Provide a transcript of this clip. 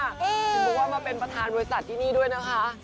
เห็นบอกว่ามาเป็นประธานบริษัทที่นี่ด้วยนะคะ